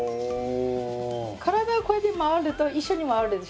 体がこうやって回ると一緒に回るでしょ。